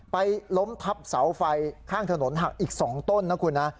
ไปล้มทับเสาไฟข้างถนนหักอีก๒ต้นนะคุณนะ